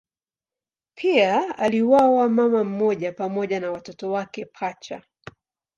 Pia aliuawa mama mmoja pamoja na watoto wake pacha.